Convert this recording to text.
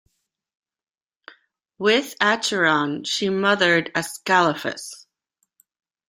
With Acheron, she mothered Ascalaphus.